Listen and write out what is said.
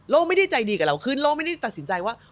ไม่ได้ใจดีกับเราขึ้นโลกไม่ได้ตัดสินใจว่า